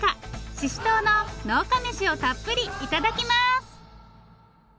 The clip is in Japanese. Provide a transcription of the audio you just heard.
ししとうの農家メシをたっぷり頂きます！